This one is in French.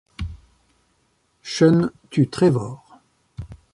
Sean tue Trevor.